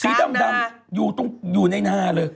สีดำอยู่ตรงอยู่ในนาเลย